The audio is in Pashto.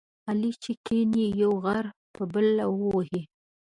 علي چې کېني، یو غر په بل وهي.